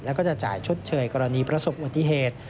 แล้วก็จะจ่ายชดเชยกรณีประสบอุบัติเหตุ